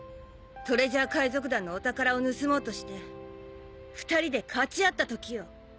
トレジャー海賊団のお宝を盗もうとして２人でかち合ったときよ。